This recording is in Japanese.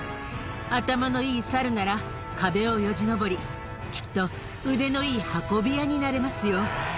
頭のいいサルなら、壁をよじ登り、きっと腕のいい運び屋になれますよ。